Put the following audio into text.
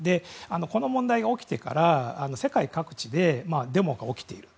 この問題が起きてから世界各地でデモが起きている。